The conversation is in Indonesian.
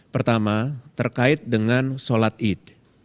pertama terkait dengan sholat id